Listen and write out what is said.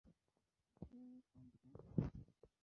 Uniform, হ্যাঁ?